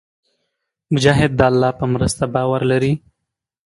مجاهد د الله پر مرسته باور لري.